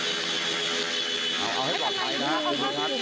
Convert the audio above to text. เอาให้ปลอดภัยนะครับ